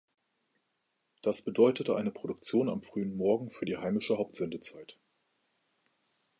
Das bedeutete eine Produktion am frühen Morgen für die heimische Hauptsendezeit.